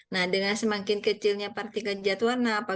nah dengan semakin kecilnya partikel jadwarna